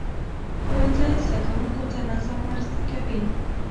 ښوونځی زده کوونکو ته نظم ورزده کوي.